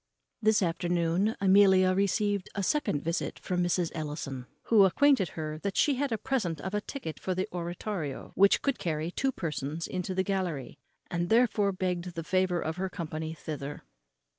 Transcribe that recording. This afternoon Amelia received a second visit from Mrs. Ellison, who acquainted her that she had a present of a ticket for the oratorio, which would carry two persons into the gallery; and therefore begged the favour of her company thither.